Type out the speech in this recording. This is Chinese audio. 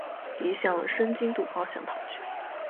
敌向申津渡方向逃去。